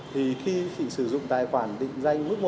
thì khi chị sử dụng tài khoản định danh mức một